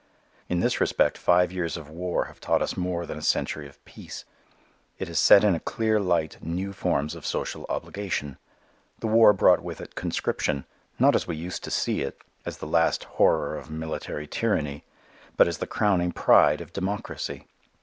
In this respect five years of war have taught us more than a century of peace. It has set in a clear light new forms of social obligation. The war brought with it conscription not as we used to see it, as the last horror of military tyranny, but as the crowning pride of democracy.